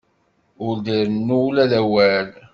Ur d-rennu ula d awal.